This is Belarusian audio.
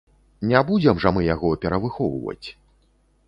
Не будзем жа мы яго перавыхоўваць.